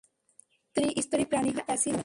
ত্রিস্তরী প্রাণী হলেও এরা অ্যাসিলোমেট।